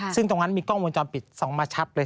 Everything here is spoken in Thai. ซึ่งตรงนั้นมีกล้องวงจรปิดส่องมาชัดเลย